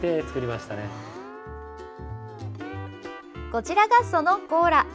こちらがそのコーラ。